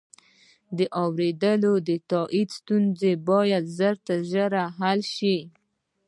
د واورئ تائیدو ستونزه باید ژر تر ژره حل شي.